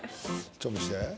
ちょっと見して。